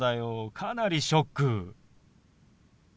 かなりショック。